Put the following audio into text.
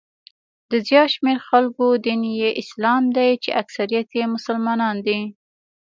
د زیات شمېر خلکو دین یې اسلام دی چې اکثریت یې مسلمانان دي.